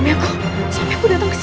sampai aku sampai aku tidak masih